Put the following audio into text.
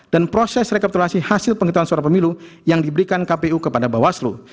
dan proses rekapitulasi hasil penghitungan suara pemilu yang diberikan kpu kepada bawaslu